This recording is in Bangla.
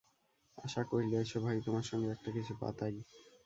আশা কহিল, এসো ভাই, তোমার সঙ্গে একটা কিছু পাতাই।